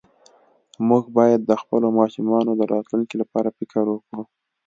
مونږ باید د خپلو ماشومانو د راتلونکي لپاره فکر وکړو